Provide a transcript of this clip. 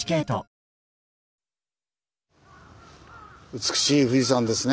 美しい富士山ですね。